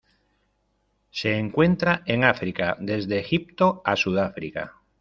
Se encuentra en África desde Egipto a Sudáfrica.